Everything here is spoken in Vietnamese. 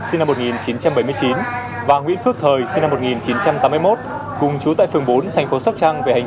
sinh năm một nghìn chín trăm bảy mươi chín và nguyễn phước thời sinh năm một nghìn chín trăm tám mươi một cùng chú tại phường bốn thành phố sóc trăng về hành